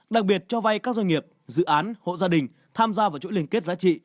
đặc biệt cho vay các doanh nghiệp dự án hộ gia đình tham gia vào chuỗi liên kết giá trị